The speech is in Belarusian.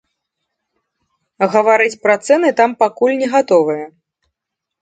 Гаварыць пра цэны там пакуль не гатовыя.